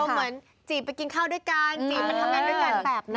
เหมือนจีบไปกินข้าวด้วยกันจีบมาทำงานด้วยกันแบบนี้